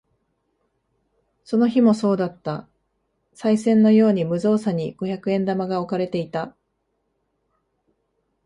その日もそうだった。賽銭のように無造作に五百円玉が置かれていた。